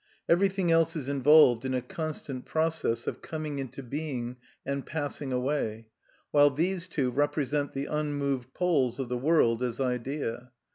Everything else is involved in a constant process of coming into being and passing away, while these two represent the unmoved poles of the world as idea.